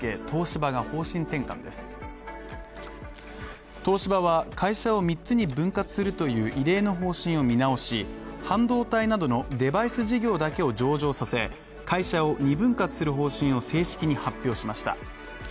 東芝は、会社を３つに分割するという異例の方針を見直し半導体などのデバイス事業だけを上場させ、会社を２分割する方針を正式に発表しました。